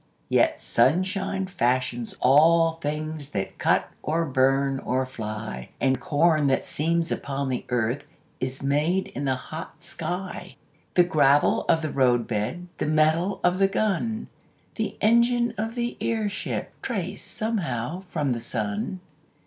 Yet sunshine fashions all things That cut or burn or fly; And corn that seems upon the earth Is made in the hot sky. The gravel of the roadbed, The metal of the gun, The engine of the airship Trace somehow from the sun.